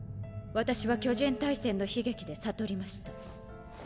私は巨人大戦の悲劇で悟りました。